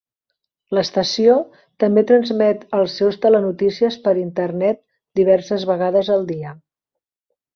L'estació també transmet els seus telenotícies per Internet diverses vegades al dia.